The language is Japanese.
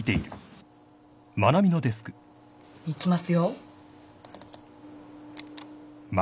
いきますよ。